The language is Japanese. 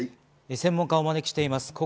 専門家をお招きしています。